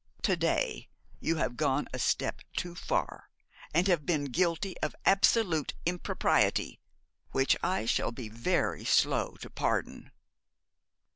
To day you have gone a step too far, and have been guilty of absolute impropriety, which I shall be very slow to pardon.'